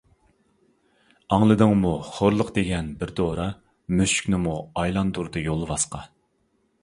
ئاڭلىدىڭمۇ، خورلۇق دېگەن بىر دورا، مۈشۈكنىمۇ ئايلاندۇردى يولۋاسقا.